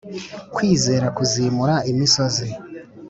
kwizera kuzimura imisozi